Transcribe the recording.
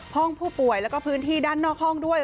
ห้องผู้ป่วยแล้วก็พื้นที่ด้านนอกห้องด้วย